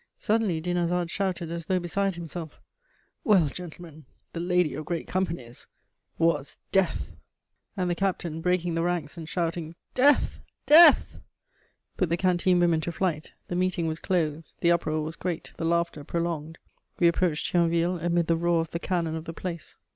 Suddenly Dinarzade shouted, as though beside himself: "Well, gentlemen, the Lady of Great Companies was Death!" And the captain, breaking the ranks and shouting "Death! Death!" put the canteen women to flight. The meeting was closed: the uproar was great, the laughter prolonged. We approached Thionville amid the roar of the cannon of the place.